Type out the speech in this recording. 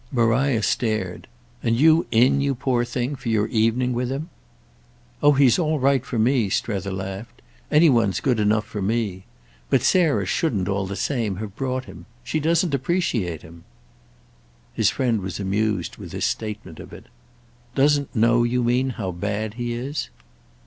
Maria stared. "And you in, you poor thing, for your evening with him?" "Oh he's all right for me!" Strether laughed. "Any one's good enough for me. But Sarah shouldn't, all the same, have brought him. She doesn't appreciate him." His friend was amused with this statement of it. "Doesn't know, you mean, how bad he is?"